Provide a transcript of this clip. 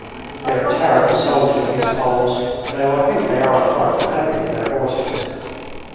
They are terrible soldiers, these Poles, though I think they are a trifle heavy for their horses.